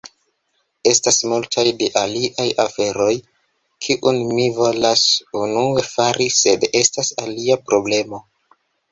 Estas multaj de aliaj aferoj kiun ni volas unue fari, sed estas alia problemo.